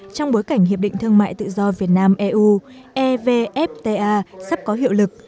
trong bối cảnh hiệp định thương mại tự do việt nam eu evfta sắp có hiệu lực